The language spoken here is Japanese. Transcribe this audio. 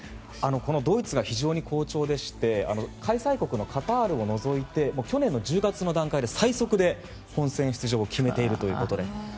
ドイツが非常に好調でして開催国のカタールを除いて去年の１０月の段階で最速で本選出場を決めていると。